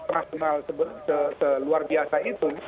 rasional seluar biasa itu